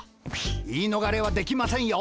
言い逃れはできませんよ。